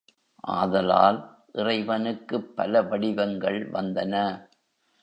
ஆதலால், இறைவனுக்குப் பல வடிவங்கள் வந்தன.